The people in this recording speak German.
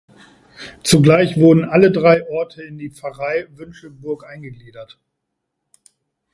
Zugleich wurden alle drei Orte in die Pfarrei Wünschelburg eingegliedert.